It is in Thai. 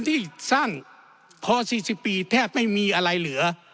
ที่สร้างพอ๔๐ปีแทบไม่มีอะไรเหลือ